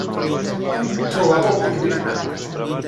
Però va pel bon camí.